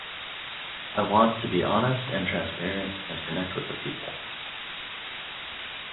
I want to be honest and transparent and connect with the people.